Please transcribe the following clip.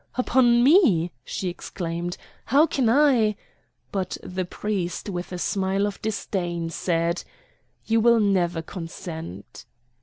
"Upon me!" she exclaimed. "How can I—?" But the priest, with a smile of disdain said: "You will never consent!"